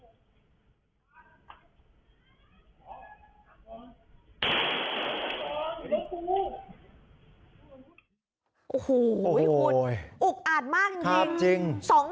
โอ้โหยอุ๊ขอาดมากอย่างจริง